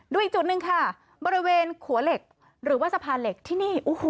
ดูอีกจุดหนึ่งค่ะบริเวณขัวเหล็กหรือว่าสะพานเหล็กที่นี่